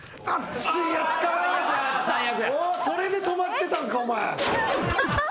それで止まってたんかお前。